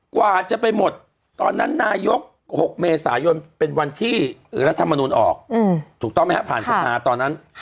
กว่าจะไปหมดตอนนั้นนายก๖เมษายนเป็นวันที่รัฐมนุนออกถูกต้องไหมครับผ่านสภาตอนนั้น